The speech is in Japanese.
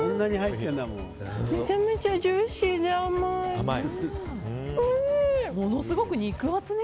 めちゃめちゃジューシーで甘い。